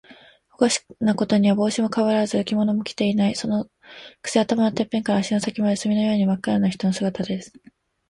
おかしなことには、帽子もかぶらず、着物も着ていない。そのくせ、頭のてっぺんから足の先まで、墨のようにまっ黒な人の姿です。